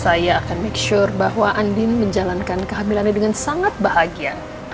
saya akan make sure bahwa andin menjalankan kehamilannya dengan sangat bahagia